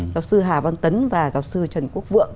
giáo sư hà văn tấn và giáo sư trần quốc vượng